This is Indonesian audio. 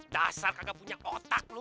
dasar kagak punya otak loh